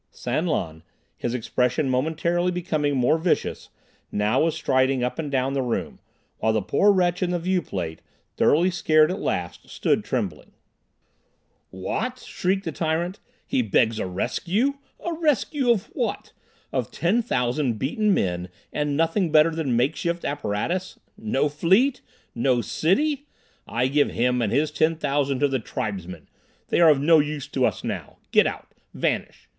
San Lan, his expression momentarily becoming more vicious, now was striding up and down the room, while the poor wretch in the viewplate, thoroughly scared at last, stood trembling. "What!" shrieked the tyrant. "He begs a rescue. A rescue of what? Of 10,000 beaten men and nothing better than makeshift apparatus? No fleet? No city? I give him and his 10,000 to the tribesmen! They are of no use to us now! Get out! Vanish!